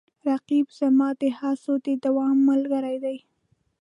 رقیب زما د هڅو د دوام ملګری دی